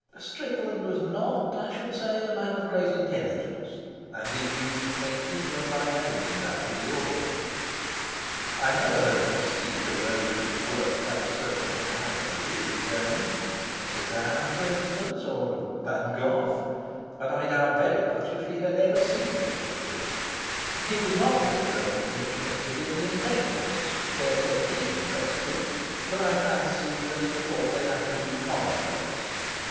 Strickland was not, I should say, a man of great intelligence, and his views on painting were by no means out of the ordinary. I never heard him speak of those whose work had a certain analogy with his own of Cezanne, for instance, or of Van Gogh; and I doubt very much if he had ever seen their pictures. He was not greatly interested in the Impressionists. Their technique impressed him, but I fancy that he thought their attitude commonplace.